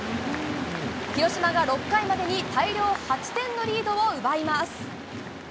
広島が６回までに大量８点のリードを奪います。